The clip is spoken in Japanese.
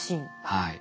はい。